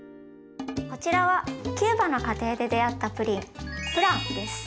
こちらはキューバの家庭で出会ったプリンフランです。